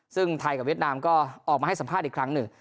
ซึ่งไทยกับเวียดนามก็ออกมาให้สัมภาษณ์อีกครั้งหนึ่ง